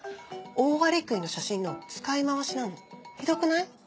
オオアリクイの写真の使い回しなのひどくない？